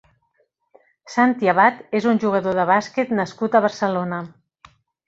Santi Abad és un jugador de bàsquet nascut a Barcelona.